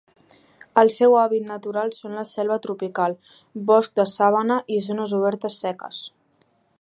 El seu hàbitat natural són la selva tropical, bosc de sabana i zones obertes seques.